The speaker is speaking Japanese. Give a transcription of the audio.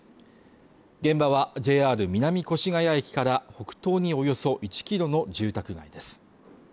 現場はＪＲ南越谷駅から北東におよそ１ｋｍの住宅街です